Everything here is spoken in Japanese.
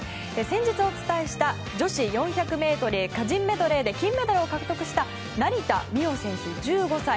先日お伝えした女子４００ｍ個人メドレーで金メダルを獲得した成田実生選手、１５歳。